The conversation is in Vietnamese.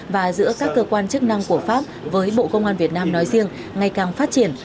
và giữa các cơ quan chức năng của pháp với bộ công an việt nam nói riêng ngày càng phát triển